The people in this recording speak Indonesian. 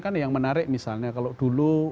kan yang menarik misalnya kalau dulu